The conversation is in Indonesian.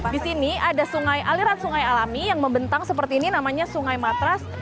di sini ada sungai aliran sungai alami yang membentang seperti ini namanya sungai matras